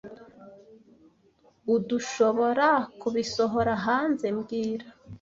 Urdushoborakubisohora hanze mbwira